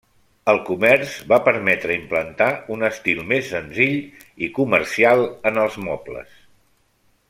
El comerç va permetre implantar un estil més senzill i comercial en els mobles.